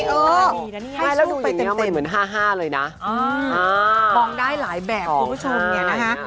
แล้วดูอย่างนี้เหมือน๕๕เลยนะมองได้หลายแบบคุณผู้ชมเนี่ยนะฮะ